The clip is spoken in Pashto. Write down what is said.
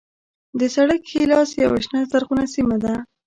د سړک ښی لاس یوه شنه زرغونه سیمه ده.